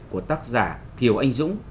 của tác giả kiều anh dũng